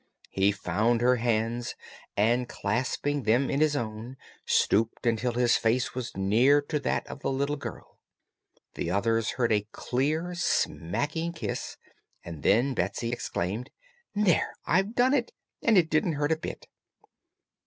He found her hands and clasping them in his own stooped until his face was near to that of the little girl. The others heard a clear, smacking kiss, and then Betsy exclaimed: "There! I've done it, and it didn't hurt a bit!"